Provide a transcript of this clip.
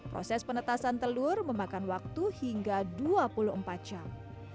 proses penetasan telur memakan waktu hingga dua puluh empat jam